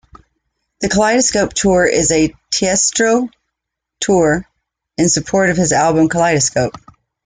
The Kaleidoscope World Tour is a Tiësto tour in support of his album "Kaleidoscope".